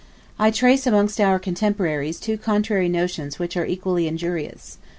I trace amongst our contemporaries two contrary notions which are equally injurious.